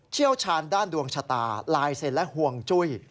เชี่ยวชาญด้านดวงชะตาลายเซ็นและห่วงจุ้ย